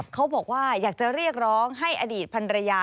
เขาบอกว่าอยากจะเรียกร้องให้อดีตพันรยา